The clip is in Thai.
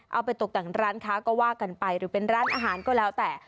เอาไปตกแต่งร้านค้าก็ว่ากันไปหรือเป็นร้านอาหารก็แล้วแต่